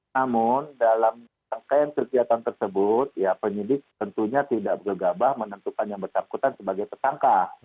namun dalam rangkaian kegiatan tersebut ya penyidik tentunya tidak bergegabah menentukan yang bersangkutan sebagai tersangka